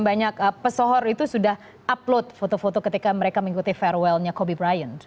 banyak pesohor itu sudah upload foto foto ketika mereka mengikuti farewell nya kobe bryant